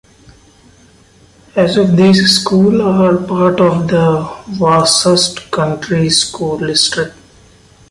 All of these schools are part of the Wasatch County School District.